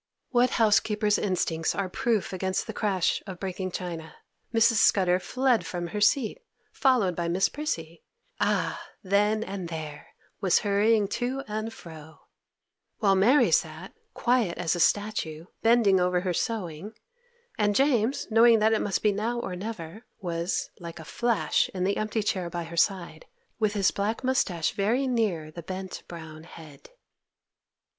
What housekeeper's instincts are proof against the crash of breaking china? Mrs. Scudder fled from her seat, followed by Miss Prissy— 'Ah, then and there was hurrying to and fro' —while Mary sat, quiet as a statue, bending over her sewing, and James, knowing that it must be now or never, was, like a flash, in the empty chair by her side, with his black moustache very near the bent, brown head.